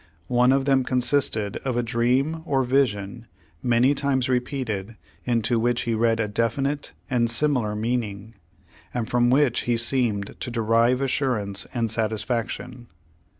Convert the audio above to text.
One of them consisted of a dream or vision, many times repeated, into which he read a definite and similar meaning, and from which he seem.ed to derive assurance and satisfaction.